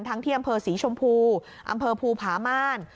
ที่อำเภอศรีชมพูอำเภอภูผาม่าน